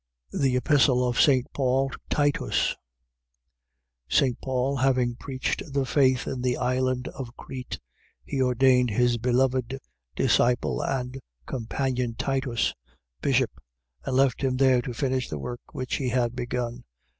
THE EPISTLE OF ST. PAUL TO TITUS St. Paul, having preached the faith in the island of Crete, he ordained his beloved disciple and companion, Titus, bishop, and left him there to finish the work which he had begun.